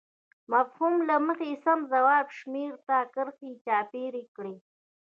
د مفهوم له مخې د سم ځواب شمیرې ته کرښه چاپېر کړئ.